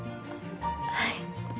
はい。